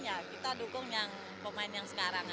kita dukung pemain yang sekarang